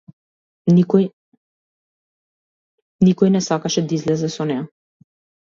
Никој не сакаше да излезе со неа.